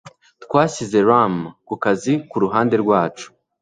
Twashyize Rum ku kazi kuruhande rwacu